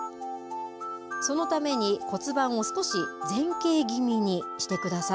そのために、骨盤を少し前傾気味にしてください。